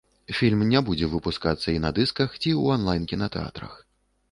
Фільм не будзе выпускацца і на дысках ці ў анлайн-кінатэатрах.